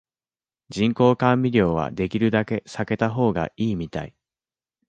人工甘味料はできるだけ避けた方がいいみたい